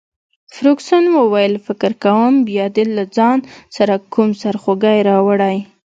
فرګوسن وویل: فکر کوم بیا دي له ځان سره کوم سرخوږی راوړی.